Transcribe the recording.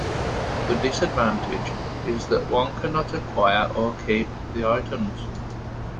The disadvantage is that one cannot acquire or keep the items.